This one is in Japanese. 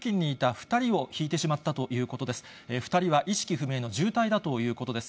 ２人は意識不明の重体だということです。